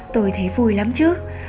tôi thấy vui lắm chứ